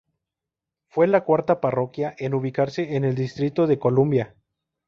Fue la cuarta parroquia en ubicarse en el Distrito de Columbia.